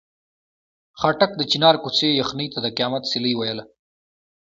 خاټک د چنار کوڅې یخنۍ ته د قیامت سیلۍ ویله.